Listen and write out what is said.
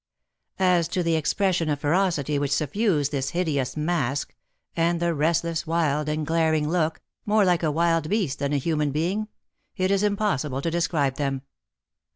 As to the expression of ferocity which suffused this hideous mask, and the restless, wild, and glaring look, more like a wild beast than a human being, it is impossible to describe them.